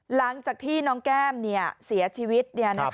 หลังจากที่น้องแก้มเสียชีวิต